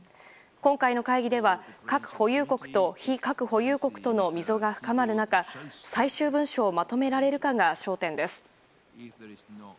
今回の会議では核保有国と非核保有国との溝が深まる中最終文書をまとめられるかが焦点です。